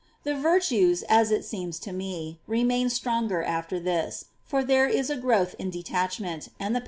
The virtues, as it seems to me, remain stronger after this, for there is a growth in detachment, and the power of » See Life, ch.